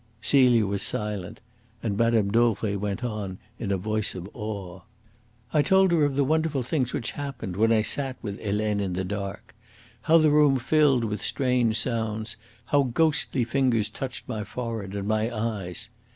Celia was silent, and Mme. Dauvray went on in a voice of awe: "I told her of the wonderful things which happened when I sat with Helene in the dark how the room filled with strange sounds, how ghostly fingers touched my forehead and my eyes.